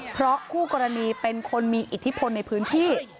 เพราะคู่กรณีเป็นคนมีอิทธิพลในพื้นที่